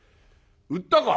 「売ったか？」。